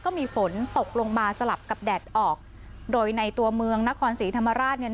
ก็มีฝนตกลงมาสลับกับแดดออกโดยในตัวเมืองนครศรีธรรมราชเนี่ย